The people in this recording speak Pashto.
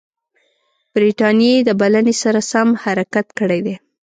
برټانیې د بلنې سره سم حرکت کړی دی.